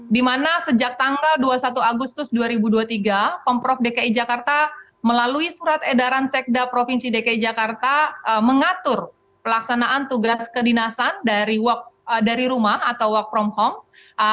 dimana sejak tanggal dua puluh satu agustus dua ribu dua puluh tiga pemprov dki jakarta melalui surat edaran sekda provinsi dki jakarta mengatur pelaksanaan tugas kedinasan dari rumah atau work from home